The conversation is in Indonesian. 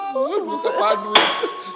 bukan apa apa duit